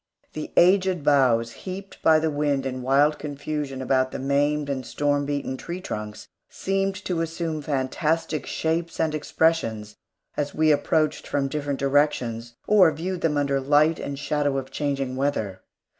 The aged boughs heaped by the wind in wild confusion about the maimed and storm beaten tree trunks seemed to assume fantastic shapes and expressions as we approached from different directions, or viewed them under light and shadow of changing weather.